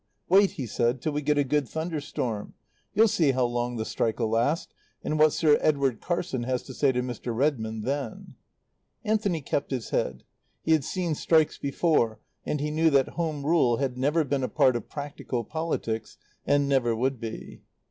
"Wait," he said, "till we get a good thunderstorm You'll see how long the strike'll last, and what Sir Edward Carson has to say to Mr. Redmond then." Anthony kept his head. He had seen strikes before, and he knew that Home Rule had never been a part of practical politics and never would be.